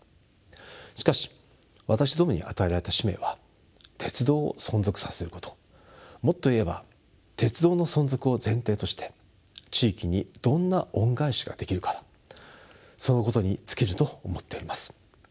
しかし私どもに与えられた使命は鉄道を存続させることもっと言えば鉄道の存続を前提として地域にどんな恩返しができるかそのことに尽きると思っております。